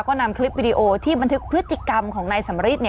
ก็นำคลิปวิดีโอที่บันทึกพฤติกรรมของนายสำริท